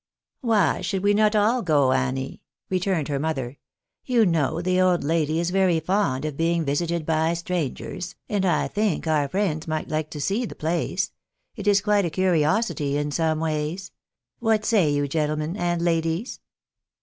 "Why should we not all go, Annie?" returned her mother. " You know the old lady is very fond of being visited by strangers, and I think our friends may like to see the place ; it is quite a curiosity in some ways. What say you, gentlemen and ladies